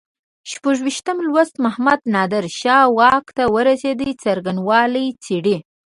شپږویشتم لوست محمد نادر شاه واک ته رسېدو څرنګوالی څېړي.